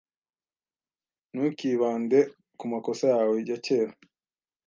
Ntukibande ku makosa yawe ya kera!